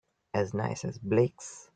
As nice as Blake's?